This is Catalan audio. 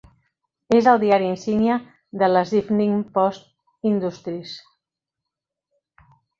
És el diari insígnia de les Evening Post Industries.